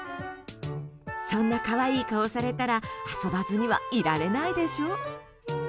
そんな可愛い顔されたら遊ばずにはいられないでしょ。